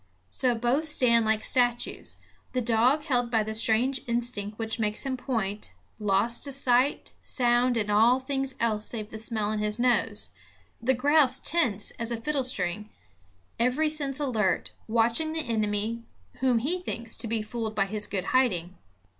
So both stand like statues; the dog held by the strange instinct which makes him point, lost to sight, sound and all things else save the smell in his nose, the grouse tense as a fiddlestring, every sense alert, watching the enemy whom he thinks to be fooled by his good hiding.